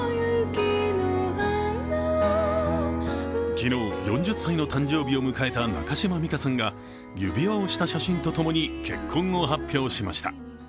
昨日４０歳の誕生日を迎えた中島美嘉さんが指輪をした写真と共に結婚を発表しました。